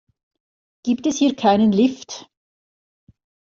Gibt es hier keinen Lift?